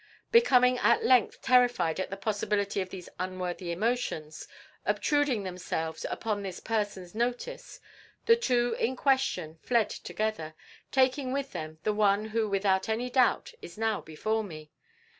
Becoming at length terrified at the possibility of these unworthy emotions, obtruding themselves upon this person's notice, the two in question fled together, taking with them the one who without any doubt is now before me.